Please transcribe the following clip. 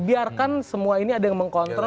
biarkan semua ini ada yang mengkontrol